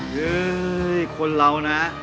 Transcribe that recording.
เฮ้ยคนเรานะ